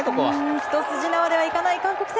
ひと筋縄ではいかない韓国戦。